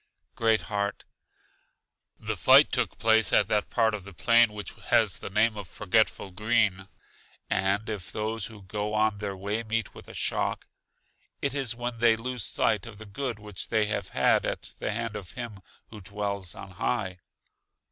Great heart: The fight took place at that part of the plain which has the name of Forgetful Green. And if those who go on their way, meet with a shock, it is when they lose sight of the good which they have at the hand of Him who dwells on high.